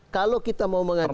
kalau kita mau mengajukan